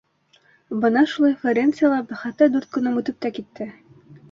Бына шулай Флоренцияла бәхетле дүрт көнөм үтеп тә китте.